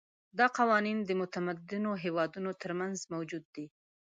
دا قوانین د متمدنو هېوادونو ترمنځ موجود دي.